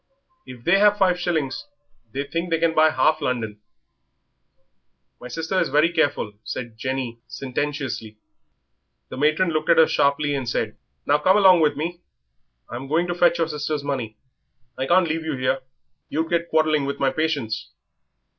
If they have five shillings they think they can buy half London." "My sister is very careful," said Jenny, sententiously. The matron looked sharply at her and said "Now come along with me I'm going to fetch your sister's money. I can't leave you here you'd get quarrelling with my patients."